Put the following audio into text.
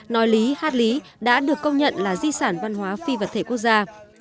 nói lý hát lý đã được công nhận là di sản văn hóa phi vật thể quốc gia